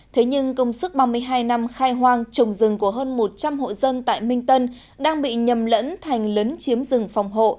thế nhưng công sức ba mươi hai năm khai hoang trồng rừng của hơn một trăm linh hộ dân tại minh tân đang bị nhầm lẫn thành lấn chiếm rừng phòng hộ